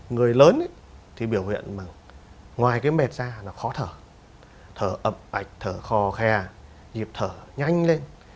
người lớn thì biểu hiện ngoài mệt ra là khó thở thở ẩm ạch thở khò khe nhịp thở nhanh lên